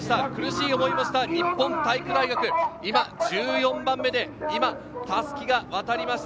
苦しい思いもした日本体育大学、１４番目で襷が渡りました。